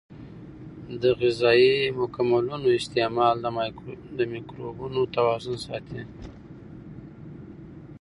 د غذایي مکملونو استعمال د مایکروبونو توازن ساتي.